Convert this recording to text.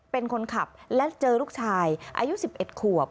เป็นคนขับและเจอลูกชายอายุ๑๑ขวบ